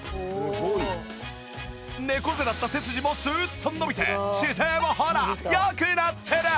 猫背だった背筋もスッと伸びて姿勢もほら良くなってる！